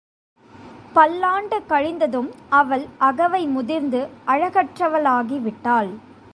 பல்லாண்டு கழிந்ததும் அவள் அகவை முதிர்ந்து அழகற்றவளாகிவிட்டாள்.